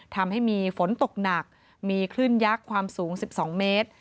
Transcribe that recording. ทำให้มีฝนตกหนักมีคลื่นยักษ์ความสูง๑๒เมตร